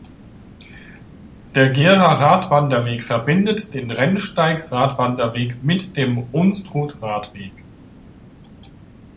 Der Gera-Radwanderweg verbindet den Rennsteig-Radwanderweg mit dem Unstrut-Radweg.